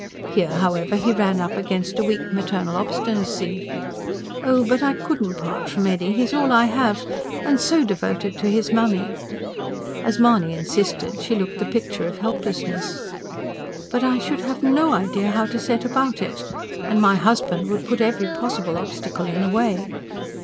Here, however, he ran up against a weak maternal obstinacy. "Oh, but I couldn't part from Eddy. He is all I have.... And so devoted to his mammy." As Mahony insisted, she looked the picture of helplessness. "But I should have no idea how to set about it. And my husband would put every possible obstacle in the way."